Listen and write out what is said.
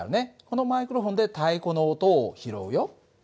このマイクロフォンで太鼓の音を拾うよ。